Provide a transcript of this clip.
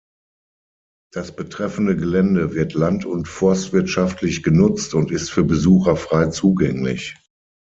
Das betreffende Gelände wird land- und forstwirtschaftlich genutzt und ist für Besucher frei zugänglich.